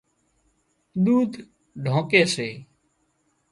ۮُوڌ ڍانڪي سي